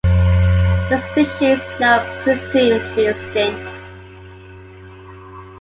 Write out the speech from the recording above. The species is now presumed to be extinct.